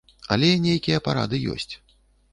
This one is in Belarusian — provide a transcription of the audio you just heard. Але нейкія парады ёсць.